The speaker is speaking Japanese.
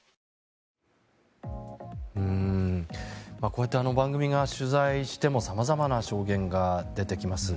こうやって番組が取材をしても様々な証言が出てきます。